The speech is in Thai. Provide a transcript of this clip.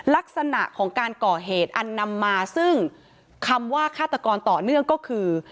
ลักษณะของการก่อเหตุอันนำมาซึ่งคำว่าฆาตกรต่อเนื่องก็คือ